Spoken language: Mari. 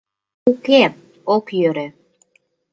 Уке, ок йӧрӧ.